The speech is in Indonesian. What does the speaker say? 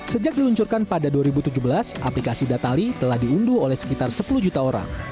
sejak diluncurkan pada dua ribu tujuh belas aplikasi datali telah diunduh oleh sekitar sepuluh juta orang